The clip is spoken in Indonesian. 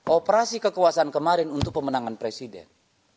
operasi kekuasaan kemarin untuk pemenangan presiden